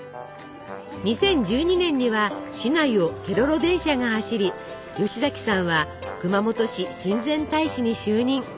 ２０１２年には市内をケロロ電車が走り吉崎さんは熊本市親善大使に就任。